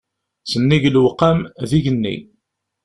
Sennig lewqam, d igenni.